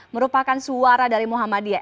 merupakan suara dari muhammadiyah